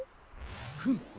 フム。